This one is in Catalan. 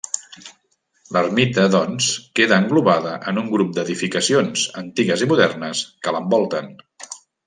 L'ermita, doncs, queda englobada en un grup d'edificacions, antigues i modernes, que l'envolten.